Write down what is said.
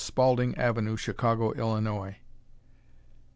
Spaulding Ave., Chicago, Illinois.